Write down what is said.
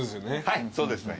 はいそうですね。